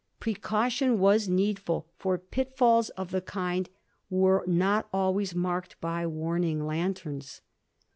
Precaution was needful, for pitfalls of the kind were not always marked by warning lanthoms.